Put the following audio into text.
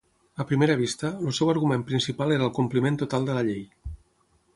A primera vista, el seu argument principal era el compliment total de la llei.